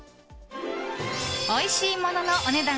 おいしいもののお値段